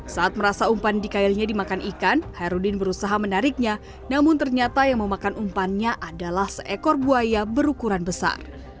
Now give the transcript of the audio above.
saat merasa umpan di kailnya dimakan ikan hairudin berusaha menariknya namun ternyata yang memakan umpannya adalah seekor buaya berukuran besar